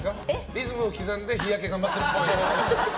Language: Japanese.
リズムを刻んで日焼け頑張ってるっぽい。